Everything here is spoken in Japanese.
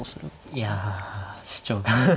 いや主張が。